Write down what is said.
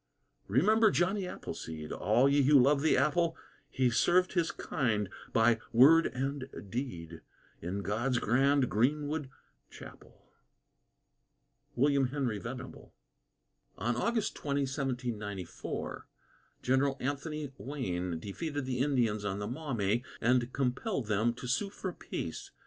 Remember Johnny Appleseed, All ye who love the apple; He served his kind by Word and Deed, In God's grand greenwood chapel. WILLIAM HENRY VENABLE. On August 20, 1794, General Anthony Wayne defeated the Indians on the Maumee and compelled them to sue for peace.